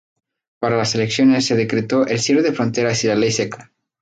Para las elecciones, se decretó el cierre de fronteras y la ley seca.